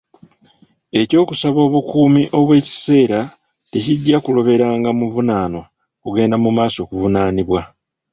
Eky'okusaba obukuumi obw'ekiseera tekijja kuloberanga muvunaanwa kugenda mu maaso kuvunaanibwa.